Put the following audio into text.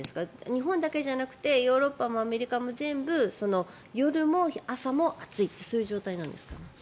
日本だけじゃなくてヨーロッパもアメリカも全部夜も朝も暑いってそういう状態なんですか？